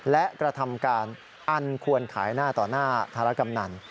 และกระทำการอันควรขายหน้าต่อหน้าธารกำนัน